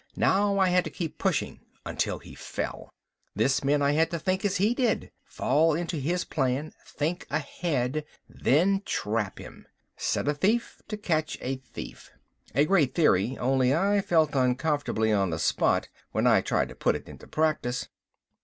Now I had to keep pushing until he fell. This meant I had to think as he did, fall into his plan, think ahead then trap him. Set a thief to catch a thief. A great theory, only I felt uncomfortably on the spot when I tried to put it into practice.